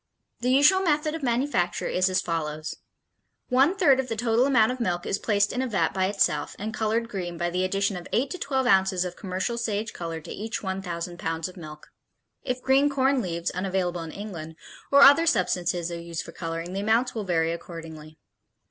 The usual method of manufacture is as follows: One third of the total amount of milk is placed in a vat by itself and colored green by the addition of eight to twelve ounces of commercial sage color to each 1,000 pounds of milk. If green corn leaves (unavailable in England) or other substances are used for coloring, the amounts will vary accordingly.